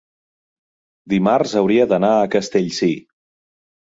dimarts hauria d'anar a Castellcir.